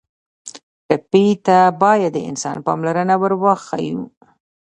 ټپي ته باید د انسان پاملرنه ور وښیو.